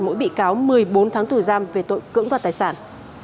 mỗi bị cáo một mươi bốn tháng tù giam về tội cưỡng đoạt tài sản